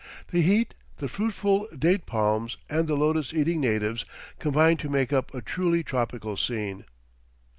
The heat, the fruitful date palms, and the lotus eating natives combine to make up a truly tropical scene.